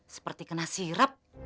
seperti kena sirap